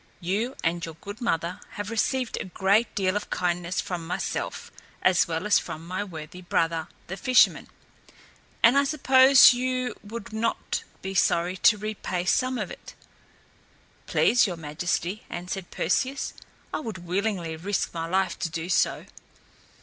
You and your good mother have received a great deal of kindness from myself, as well as from my worthy brother the fisherman, and I suppose you would not be sorry to repay some of it." "Please, your Majesty," answered Perseus, "I would willingly risk my life to do so."